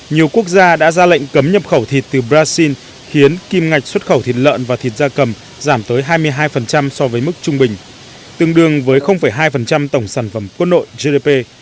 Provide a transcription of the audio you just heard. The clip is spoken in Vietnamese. nhiều quốc gia đã ra lệnh cấm nhập khẩu thịt từ brazil khiến kim ngạch xuất khẩu thịt lợn và thịt da cầm giảm tới hai mươi hai so với mức trung bình tương đương với hai tổng sản phẩm quốc nội gdp